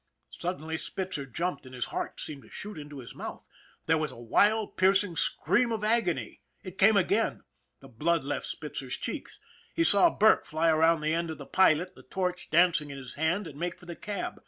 Suddenly Spitzer jumped and his heart seemed to shoot into his mouth. There was a wild, piercing scream of agony. It came again. The blood left Spitzer's cheeks. He saw Burke fly around the end of the pilot, the torch dancing in his hand, and make for the cab.